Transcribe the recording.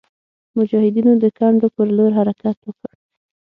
مجاهدینو د کنډو پر لور حرکت وکړ.